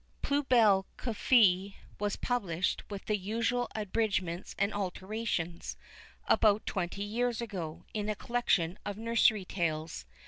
Plus Belle que Fée was published, with the usual abridgments and alterations, about twenty years ago, in a collection of nursery tales.